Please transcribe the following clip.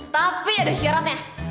tapi ada syaratnya